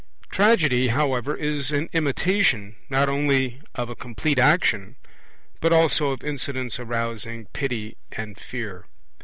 Tragedy, however, is an imitation not only of a complete action, but also of incidents arousing pity and fear.